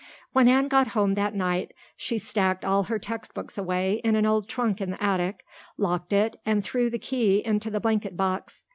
When Anne got home that night she stacked all her textbooks away in an old trunk in the attic, locked it, and threw the key into the blanket box.